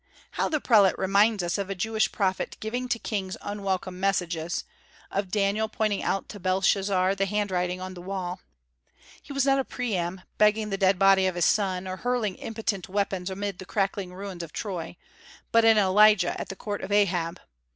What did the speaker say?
How the prelate reminds us of a Jewish prophet giving to kings unwelcome messages, of Daniel pointing out to Belshazzar the handwriting on the wall! He was not a Priam begging the dead body of his son, or hurling impotent weapons amid the crackling ruins of Troy, but an Elijah at the court of Ahab.